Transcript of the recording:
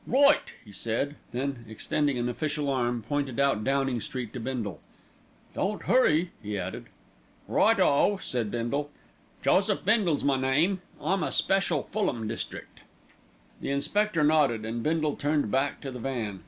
"Right!" he said, then extending an official arm, pointed out Downing Street to Bindle. "Don't hurry," he added. "Right o!" said Bindle. "Joseph Bindle's my name. I'm a special, Fulham district." The inspector nodded, and Bindle turned back to the van.